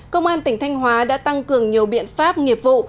công an tỉnh thanh hóa đã tăng cường nhiều biện pháp nghiệp vụ